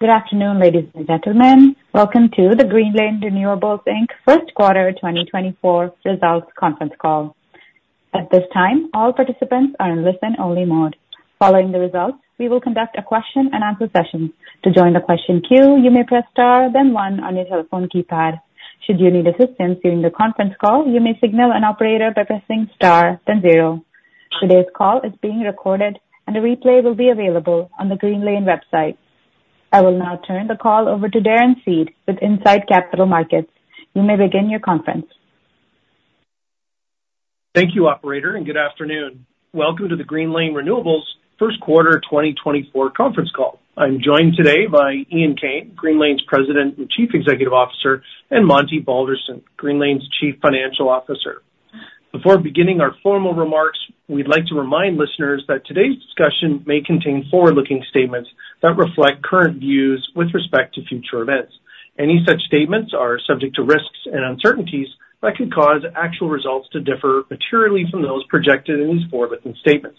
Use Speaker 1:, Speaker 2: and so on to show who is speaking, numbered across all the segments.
Speaker 1: Good afternoon, ladies and gentlemen. Welcome to the Greenlane Renewables Inc. First Quarter 2024 Results Conference Call. At this time, all participants are in listen-only mode. Following the results, we will conduct a question-and-answer session. To join the question queue, you may press star, then one on your telephone keypad. Should you need assistance during the conference call, you may signal an operator by pressing star, then zero. Today's call is being recorded, and a replay will be available on the Greenlane website. I will now turn the call over to Darren Seed with Incite Capital Markets. You may begin your conference.
Speaker 2: Thank you, operator, and good afternoon. Welcome to the Greenlane Renewables First Quarter 2024 conference call. I'm joined today by Ian Kane, Greenlane's President and Chief Executive Officer, and Monty Balderston, Greenlane's Chief Financial Officer. Before beginning our formal remarks, we'd like to remind listeners that today's discussion may contain forward-looking statements that reflect current views with respect to future events. Any such statements are subject to risks and uncertainties that could cause actual results to differ materially from those projected in these forward-looking statements.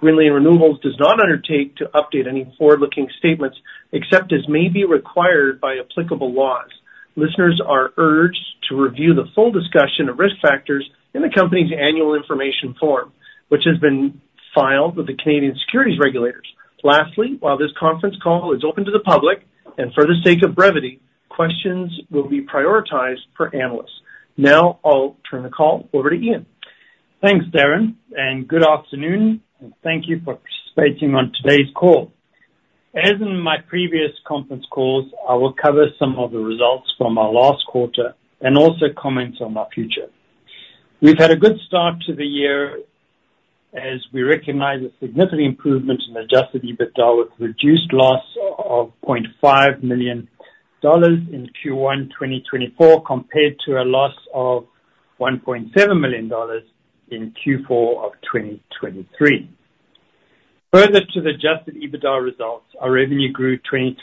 Speaker 2: Greenlane Renewables does not undertake to update any forward-looking statements, except as may be required by applicable laws. Listeners are urged to review the full discussion of risk factors in the company's Annual Information Form, which has been filed with the Canadian Securities Administrators. Lastly, while this conference call is open to the public, and for the sake of brevity, questions will be prioritized for analysts. Now, I'll turn the call over to Ian.
Speaker 3: Thanks, Darren, and good afternoon, and thank you for participating on today's call. As in my previous conference calls, I will cover some of the results from our last quarter and also comment on our future. We've had a good start to the year as we recognize a significant improvement in Adjusted EBITDA, with reduced loss of 0.5 million dollars in Q1 2024, compared to a loss of 1.7 million dollars in Q4 2023. Further to the Adjusted EBITDA results, our revenue grew 23%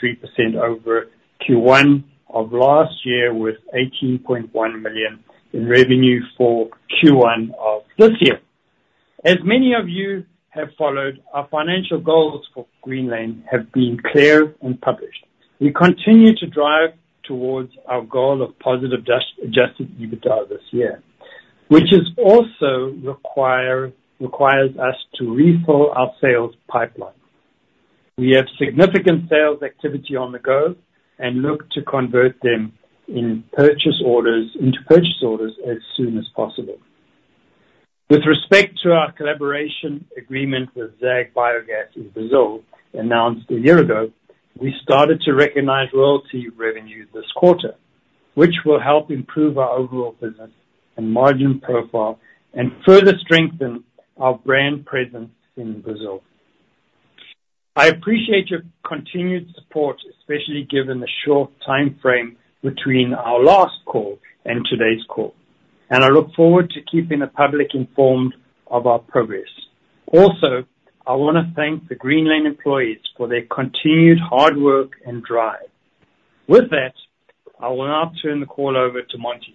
Speaker 3: over Q1 of last year, with 18.1 million in revenue for Q1 of this year. As many of you have followed, our financial goals for Greenlane have been clear and published. We continue to drive towards our goal of positive Adjusted EBITDA this year, which also requires us to refill our sales pipeline. We have significant sales activity on the go and look to convert them in purchase orders, into purchase orders as soon as possible. With respect to our collaboration agreement with ZEG Biogás in Brazil, announced a year ago, we started to recognize royalty revenue this quarter, which will help improve our overall business and margin profile and further strengthen our brand presence in Brazil. I appreciate your continued support, especially given the short timeframe between our last call and today's call, and I look forward to keeping the public informed of our progress. Also, I want to thank the Greenlane employees for their continued hard work and drive. With that, I will now turn the call over to Monty.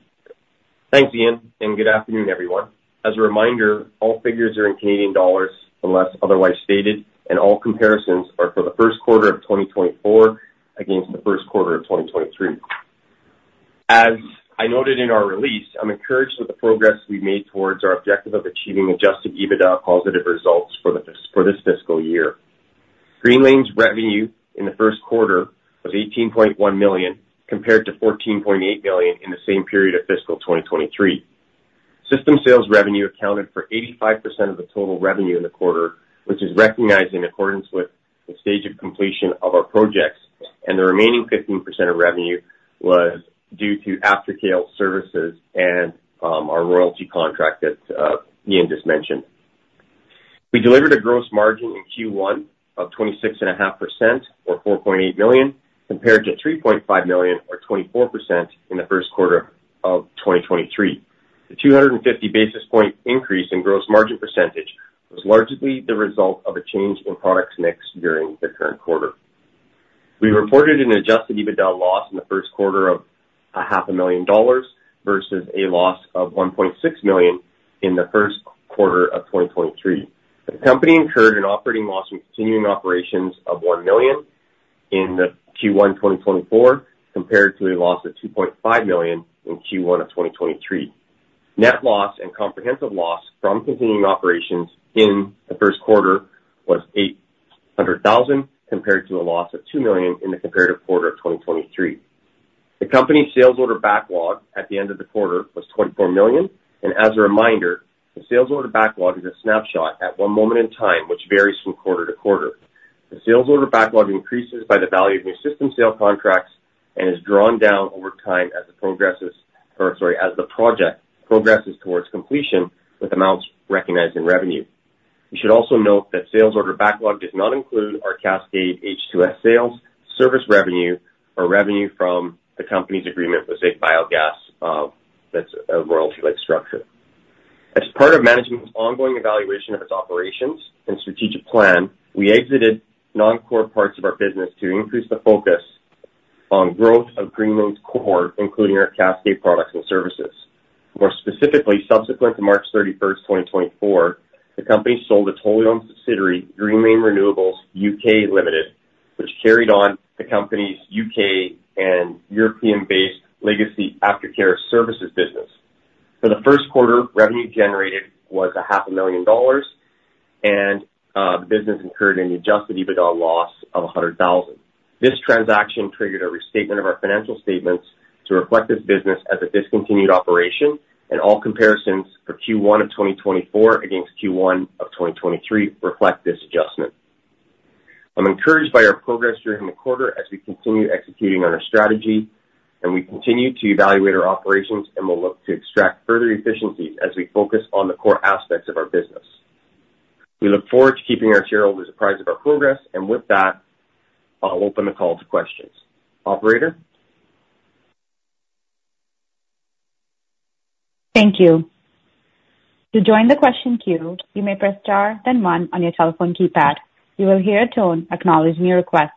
Speaker 4: Thanks, Ian, and good afternoon, everyone. As a reminder, all figures are in Canadian dollars unless otherwise stated, and all comparisons are for the first quarter of 2024 against the first quarter of 2023. As I noted in our release, I'm encouraged with the progress we've made towards our objective of achieving adjusted EBITDA positive results for this fiscal year. Greenlane's revenue in the first quarter was 18.1 million, compared to 14.8 million in the same period of fiscal 2023. System sales revenue accounted for 85% of the total revenue in the quarter, which is recognized in accordance with the stage of completion of our projects, and the remaining 15% of revenue was due to after-sale services and our royalty contract that Ian just mentioned. We delivered a gross margin in Q1 of 26.5%, or 4.8 million, compared to 3.5 million, or 24% in the first quarter of 2023. The 250 basis point increase in gross margin percentage was largely the result of a change in product mix during the current quarter. We reported an Adjusted EBITDA loss in the first quarter of 500,000 dollars versus a loss of 1.6 million in the first quarter of 2023. The company incurred an operating loss from continuing operations of 1 million in the Q1, 2024, compared to a loss of 2.5 million in Q1 of 2023. Net loss and comprehensive loss from continuing operations in the first quarter was 800,000, compared to a loss of 2 million in the comparative quarter of 2023. The company's sales order backlog at the end of the quarter was 24 million, and as a reminder, the sales order backlog is a snapshot at one moment in time, which varies from quarter-to-quarter. The sales order backlog increases by the value of new system sales contracts and is drawn down over time as it progresses. Or sorry, as the project progresses towards completion with amounts recognized in revenue. You should also note that sales order backlog does not include our Cascade H2S sales, service revenue, or revenue from the company's agreement with ZEG Biogás. That's a royalty-like structure. As part of management's ongoing evaluation of its operations and strategic plan, we exited non-core parts of our business to increase the focus on growth of Greenlane's core, including our Cascade products and services. More specifically, subsequent to March 31, 2024, the company sold a wholly owned subsidiary, Greenlane Renewables UK Limited, which carried on the company's UK and European-based legacy aftercare services business. For the first quarter, revenue generated was 500,000 dollars, and the business incurred an adjusted EBITDA loss of 100,000. This transaction triggered a restatement of our financial statements to reflect this business as a discontinued operation, and all comparisons for Q1 of 2024 against Q1 of 2023 reflect this adjustment. I'm encouraged by our progress during the quarter as we continue executing on our strategy, and we continue to evaluate our operations, and we'll look to extract further efficiency as we focus on the core aspects of our business. We look forward to keeping our shareholders apprised of our progress, and with that, I'll open the call to questions. Operator?
Speaker 1: Thank you. To join the question queue, you may press star, then one on your telephone keypad. You will hear a tone acknowledging your request.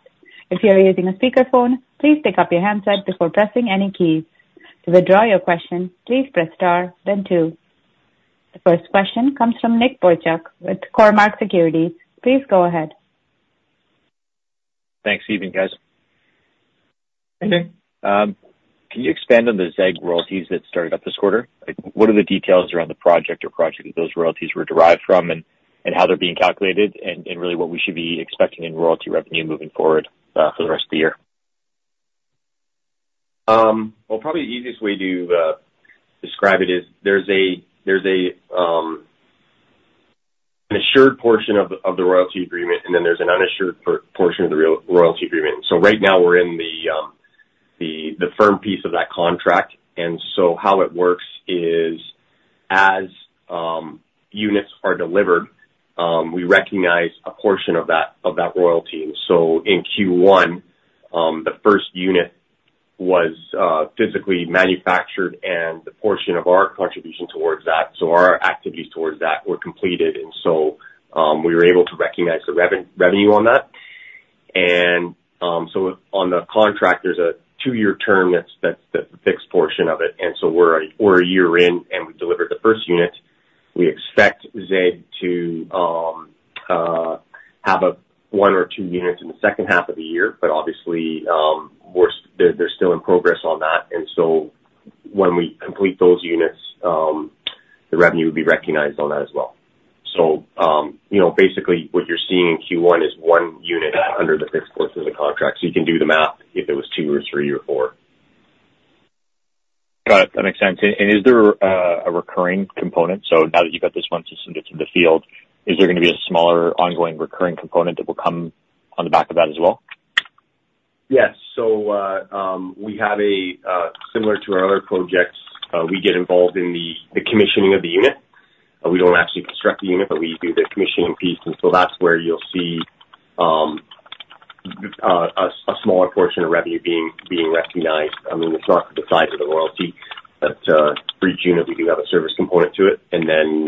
Speaker 1: If you are using a speakerphone, please pick up your handset before pressing any keys. To withdraw your question, please press star, then two. The first question comes from Nick Boychuk with Cormark Securities. Please go ahead.
Speaker 5: Thanks. Evening, guys.
Speaker 4: Hey, Nick.
Speaker 5: Can you expand on the ZEG royalties that started up this quarter? Like, what are the details around the project or project that those royalties were derived from, and, and how they're being calculated, and, and really, what we should be expecting in royalty revenue moving forward, for the rest of the year?
Speaker 4: Well, probably the easiest way to describe it is there's an assured portion of the royalty agreement, and then there's an assured portion of the royalty agreement. So right now we're in the firm piece of that contract, and so how it works is, as units are delivered, we recognize a portion of that royalty. So in Q1, the first unit was physically manufactured and the portion of our contribution towards that, so our activities towards that were completed, and so we were able to recognize the revenue on that. So on the contract, there's a two-year term that's the fixed portion of it, and so we're a year in, and we delivered the first unit. We expect ZEG to have one or two units in the second half of the year, but obviously, we're they're, they're still in progress on that. And so when we complete those units, the revenue will be recognized on that as well. So, you know, basically what you're seeing in Q1 is one unit under the fixed portion of the contract, so you can do the math if it was two or three or four.
Speaker 5: Got it. That makes sense. Is there a recurring component? So now that you've got this one system into the field, is there gonna be a smaller, ongoing recurring component that will come on the back of that as well?
Speaker 4: Yes. So, we have a similar to our other projects, we get involved in the commissioning of the unit. We don't actually construct the unit, but we do the commissioning piece, and so that's where you'll see a smaller portion of revenue being recognized. I mean, it's not the size of the royalty, but each unit, we do have a service component to it. And then,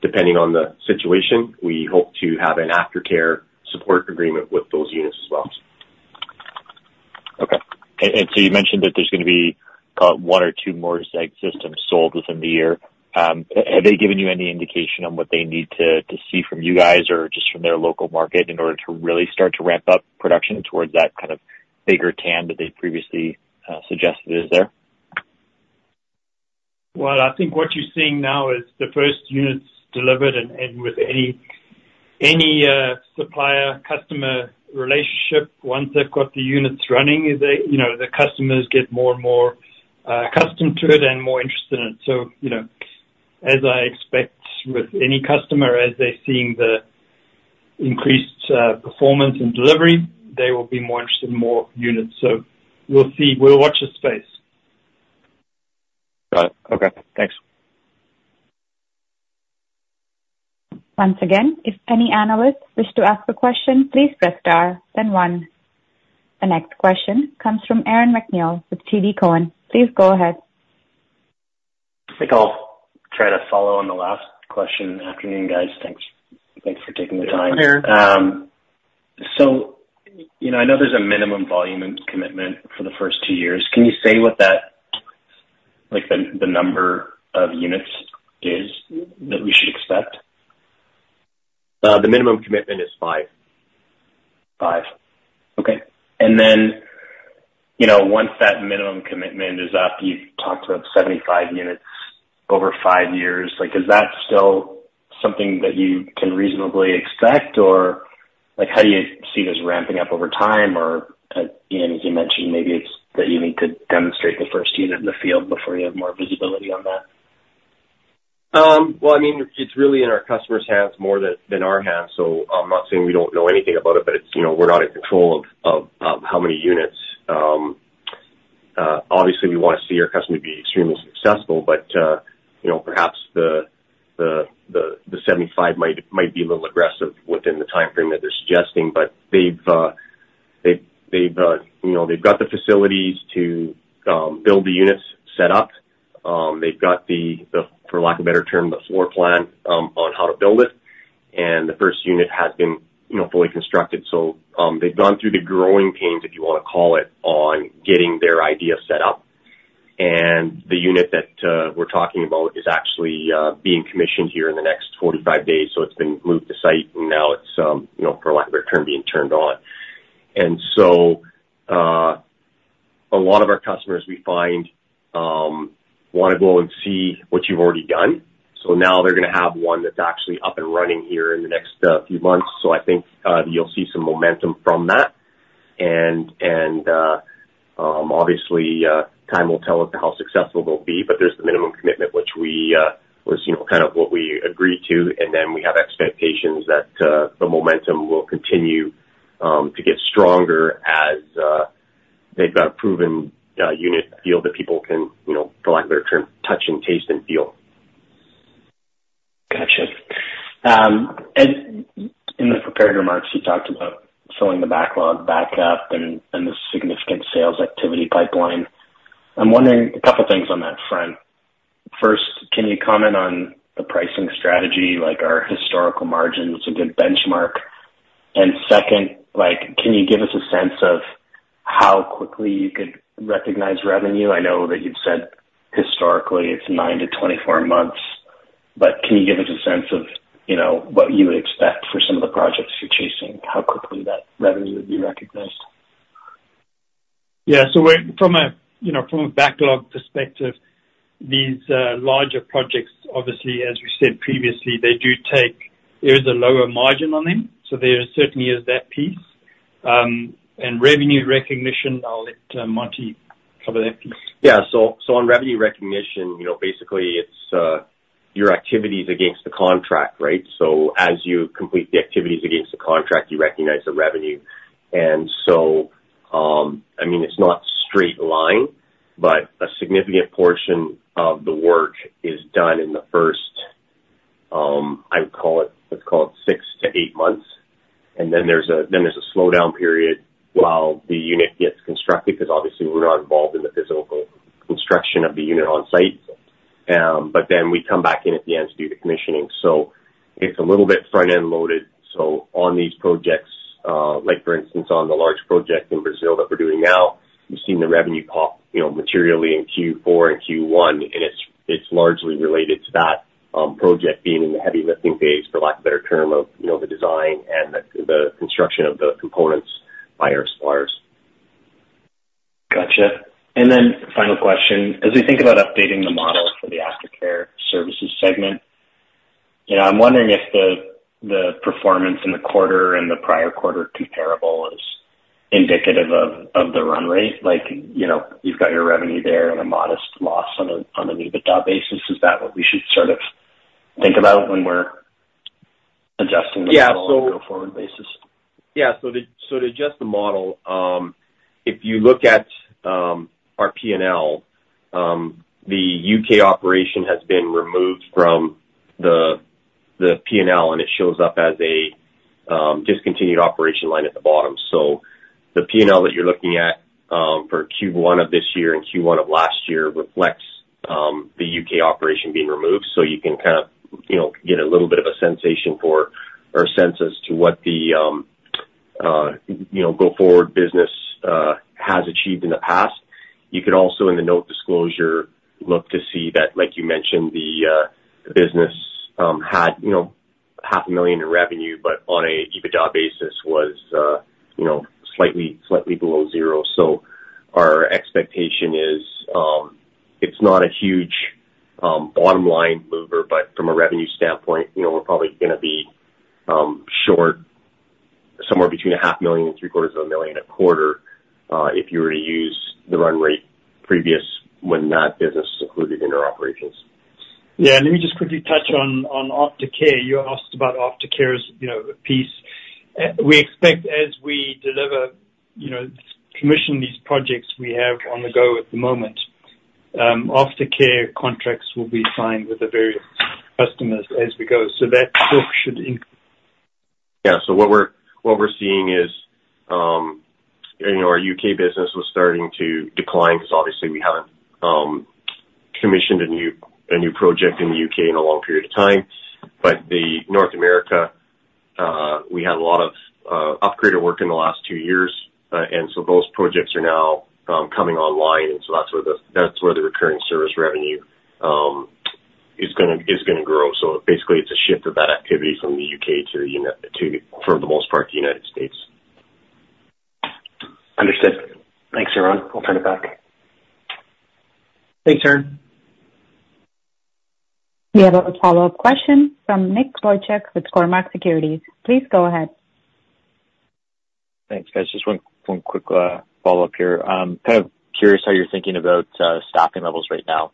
Speaker 4: depending on the situation, we hope to have an aftercare support agreement with those units as well.
Speaker 5: Okay. And so you mentioned that there's gonna be one or two more ZEG systems sold within the year. Have they given you any indication on what they need to see from you guys or just from their local market in order to really start to ramp up production towards that kind of bigger TAM that they previously suggested is there?
Speaker 3: Well, I think what you're seeing now is the first units delivered, and with any supplier-customer relationship, once they've got the units running, they, you know, the customers get more and more accustomed to it and more interested in it. So, you know, as I expect with any customer, as they're seeing the increased performance and delivery, they will be more interested in more units. So we'll see. We'll watch this space.
Speaker 5: Got it. Okay, thanks.
Speaker 1: Once again, if any analysts wish to ask a question, please press star, then one. The next question comes from Aaron MacNeil with TD Cowen. Please go ahead.
Speaker 6: I think I'll try to follow on the last question. Afternoon, guys. Thanks. Thanks for taking the time.
Speaker 3: Hi, Aaron.
Speaker 6: You know, I know there's a minimum volume and commitment for the first two years. Can you say what that, like, the number of units is that we should expect?
Speaker 4: The minimum commitment is five.
Speaker 6: Five. Okay. And then, you know, once that minimum commitment is up, you've talked about 75 units over five years. Like, is that still something that you can reasonably expect, or like, how do you see this ramping up over time? Or, Ian, as you mentioned, maybe it's that you need to demonstrate the first unit in the field before you have more visibility on that.
Speaker 4: Well, I mean, it's really in our customers' hands more than our hands, so I'm not saying we don't know anything about it, but it's, you know, we're not in control of how many units. Obviously, we want to see our customer be extremely successful, but, you know, perhaps the 75 might be a little aggressive within the timeframe that they're suggesting, but you know, they've got the facilities to build the units set up. They've got the, for lack of a better term, the floor plan on how to build it and the first unit has been, you know, fully constructed. So, they've gone through the growing pains, if you wanna call it, on getting their idea set up. And the unit that we're talking about is actually being commissioned here in the next 45 days. So it's been moved to site, and now it's, you know, for lack of better term, being turned on. And so a lot of our customers, we find, wanna go and see what you've already done. So now they're gonna have one that's actually up and running here in the next few months. So I think you'll see some momentum from that. Obviously, time will tell as to how successful they'll be, but there's the minimum commitment, which we was, you know, kind of what we agreed to, and then we have expectations that the momentum will continue to get stronger as they've got a proven unit deal that people can, you know, for lack of a better term, touch and taste and feel.
Speaker 6: Gotcha. And in the prepared remarks, you talked about filling the backlog back up and the significant sales activity pipeline. I'm wondering a couple things on that front. First, can you comment on the pricing strategy, like are historical margins a good benchmark? And second, like, can you give us a sense of how quickly you could recognize revenue? I know that you've said historically it's 9-24 months, but can you give us a sense of, you know, what you would expect for some of the projects you're chasing? How quickly that revenue would be recognized?
Speaker 3: Yeah. So, from a, you know, from a backlog perspective, these larger projects, obviously, as we said previously, they do take. There is a lower margin on them, so there certainly is that piece. And revenue recognition, I'll let Monty cover that piece.
Speaker 4: Yeah. So on revenue recognition, you know, basically it's your activities against the contract, right? So as you complete the activities against the contract, you recognize the revenue. And so, I mean, it's not straight line, but a significant portion of the work is done in the first, I would call it, let's call it six to eigth months. And then there's a slowdown period while the unit gets constructed, because obviously we're not involved in the physical construction of the unit on site. But then we come back in at the end to do the commissioning. So it's a little bit front-end loaded. So on these projects, like for instance, on the large project in Brazil that we're doing now, you've seen the revenue pop, you know, materially in Q4 and Q1, and it's, it's largely related to that project being in the heavy lifting phase, for lack of a better term, of, you know, the design and the construction of the components by our suppliers.
Speaker 6: Gotcha. And then final question: As we think about updating the model for the aftercare services segment, you know, I'm wondering if the, the performance in the quarter and the prior quarter comparable is indicative of, of the run rate. Like, you know, you've got your revenue there and a modest loss on a, on an EBITDA basis. Is that what we should sort of think about when we're adjusting the-
Speaker 4: Yeah, so-
Speaker 6: model on a going-forward basis?
Speaker 4: Yeah. So to adjust the model, if you look at our P&L, the UK operation has been removed from the P&L, and it shows up as a discontinued operation line at the bottom. So the P&L that you're looking at for Q1 of this year and Q1 of last year reflects the UK operation being removed. So you can kind of, you know, get a little bit of a sensation for or a sense as to what the, you know, go-forward business has achieved in the past. You could also, in the note disclosure, look to see that, like you mentioned, the business had, you know, 500,000 in revenue, but on a EBITDA basis was, you know, slightly, slightly below zero. So our expectation is, it's not a huge bottom-line mover, but from a revenue standpoint, you know, we're probably gonna be short somewhere between 500,000 and 750,000 a quarter, if you were to use the run rate previous, when that business was included in our operations.
Speaker 3: Yeah. Let me just quickly touch on aftercare. You asked about aftercare as, you know, a piece. We expect as we deliver, you know, commission these projects we have on the go at the moment, aftercare contracts will be signed with the various customers as we go. So that book should in-
Speaker 4: Yeah. So what we're seeing is, you know, our UK business was starting to decline because obviously we haven't commissioned a new project in the UK in a long period of time. But in North America, we had a lot of operator work in the last two years, and so those projects are now coming online, and so that's where the recurring service revenue is gonna grow. So basically, it's a shift of that activity from the UK to, for the most part, the United States.
Speaker 6: Understood. Thanks, everyone. I'll turn it back.
Speaker 2: Thanks, Aaron.
Speaker 1: We have a follow-up question from Nick Boychuk with Cormark Securities. Please go ahead.
Speaker 5: Thanks, guys. Just one quick follow-up here. Kind of curious how you're thinking about staffing levels right now.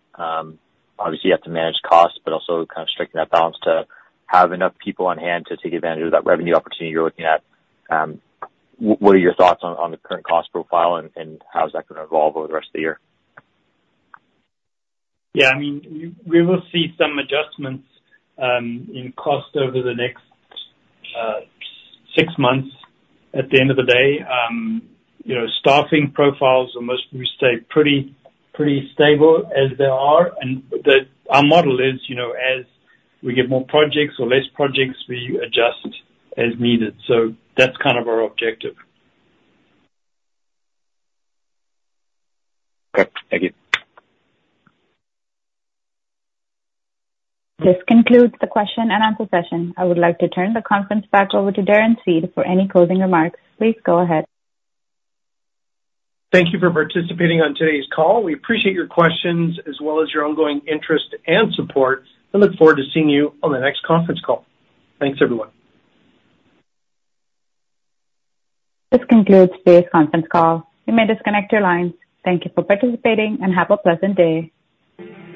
Speaker 5: Obviously, you have to manage costs, but also kind of striking that balance to have enough people on hand to take advantage of that revenue opportunity you're looking at. What are your thoughts on the current cost profile and how is that going to evolve over the rest of the year?
Speaker 3: Yeah, I mean, we will see some adjustments in cost over the next six months. At the end of the day, you know, staffing profiles are mostly stay pretty stable as they are, and our model is, you know, as we get more projects or less projects, we adjust as needed. So that's kind of our objective.
Speaker 5: Okay. Thank you.
Speaker 1: This concludes the question and answer session. I would like to turn the conference back over to Darren Seed for any closing remarks. Please go ahead.
Speaker 2: Thank you for participating on today's call. We appreciate your questions as well as your ongoing interest and support, and look forward to seeing you on the next conference call. Thanks, everyone.
Speaker 1: This concludes today's conference call. You may disconnect your lines. Thank you for participating, and have a pleasant day.